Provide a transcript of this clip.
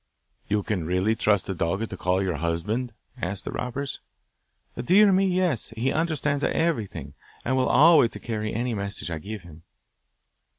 'You can really trust the dog to call your husband?' asked the robbers. 'Dear me, yes! He understands everything, and will always carry any message I give him.